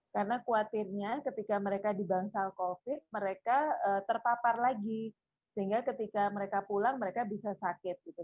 karena khawatirnya ketika mereka di bangsal covid mereka terpapar lagi sehingga ketika mereka pulang mereka bisa sakit gitu